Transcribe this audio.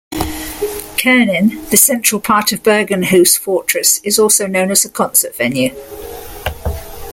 Koengen, the central part of Bergenhus Fortress is also known as a concert venue.